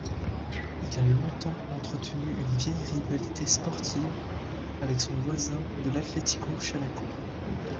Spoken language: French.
Il a longtemps entretenu une vieille rivalité sportive avec son voisin de l'Atlético Chalaco.